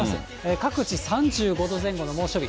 各地３５度前後の猛暑日。